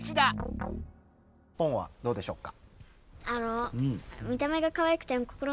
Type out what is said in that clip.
ポンはどうでしょうか？